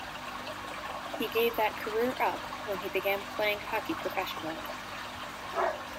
He gave that career up when he began playing hockey professionally.